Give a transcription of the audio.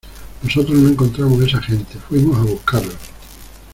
nosotros no encontramos a esa gente, fuimos a buscarlos.